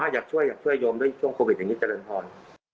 อยากช่วยอยากช่วยโยมด้วยช่วงโควิดอย่างนี้เจริญพร